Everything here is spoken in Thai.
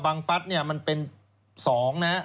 บังฟัตรมันเป็นสองนะ